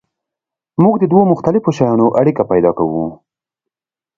موږ د دوو مختلفو شیانو اړیکه پیدا کوو.